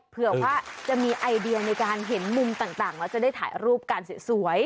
เผื่อว่าจะมีไอเดียในการเห็นมุมต่างแล้วจะได้ถ่ายรูปกันสวย